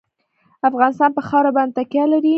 افغانستان په خاوره باندې تکیه لري.